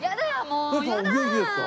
お元気ですか？